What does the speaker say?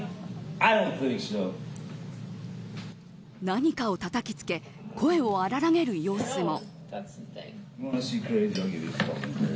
何かをたたき付け声を荒らげる様子も。